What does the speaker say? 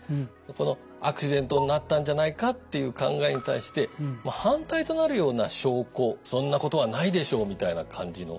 この「アクシデントになったんじゃないか」という考えに対して反対となるような証拠「そんなことはないでしょう」みたいな感じの。